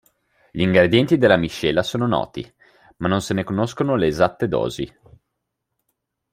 Gli ingredienti della miscela sono noti, ma non se ne conoscono le esatte dosi.